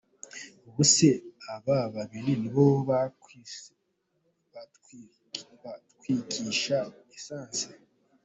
Ubuse aba babiri ni bo bantwikisha essence ?”.